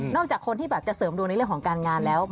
จากคนที่แบบจะเสริมดวงในเรื่องของการงานแล้ว